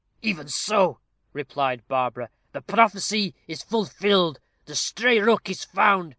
"Even so," replied Barbara. "The prophecy is fulfilled. The stray rook is found.